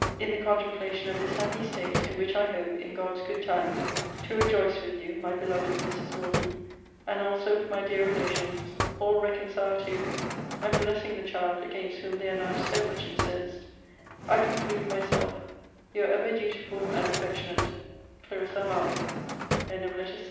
In the contemplation of this happy state, in which I hope, in God's good time, to rejoice with you, my beloved Mrs. Norton, and also with my dear relations, all reconciled to, and blessing the child against whom they are now so much incensed, I conclude myself Your ever dutiful and affecti